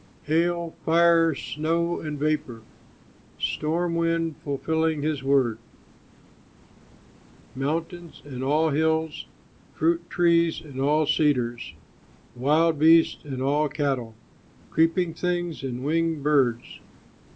Fire, hail, snow, and vapor, Storm wind, fulfilling his word! Mountains and all hills, Fruit trees and all cedars! Wild beasts and all cattle, Creeping things and winged birds!